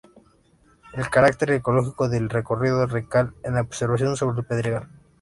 El carácter ecológico del recorrido radica en la observación sobre el pedregal.